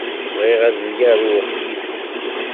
Bɣiɣ ad myaruɣ yid-s.